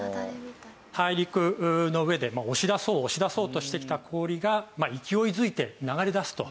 大陸の上で押し出そう押し出そうとしてきた氷が勢いづいて流れ出すと。